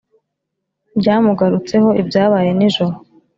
byamugarutseho. ibyabaye nijoro